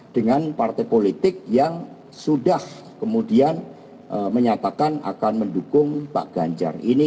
dengan partai politik yang sudah kemudian menyatakan akan mendukung pak ganjar ini